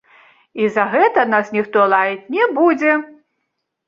І за гэта нас ніхто лаяць не будзе!